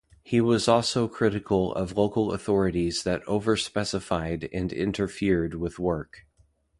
He was also critical of local authorities that overspecified and interfered with work.